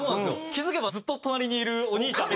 気付けばずっと隣にいるお兄ちゃん。